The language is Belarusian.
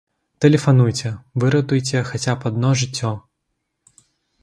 Тэлефануйце, выратуйце хаця б адно жыццё!